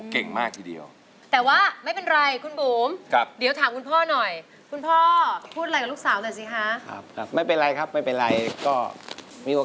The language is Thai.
ค่ะอืม